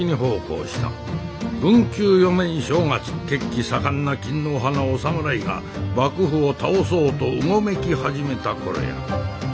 文久４年正月血気盛んな勤皇派のお侍が幕府を倒そうとうごめき始めた頃やった。